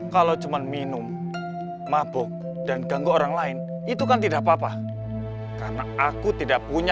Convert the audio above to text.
kalau cuman minum mabuk dan ganggu orang lain itu kan tidak apa apa karena aku tidak punya